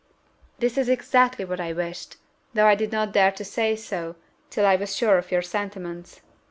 "This is exactly what I wished, though I did not dare to say so till I was sure of your sentiments.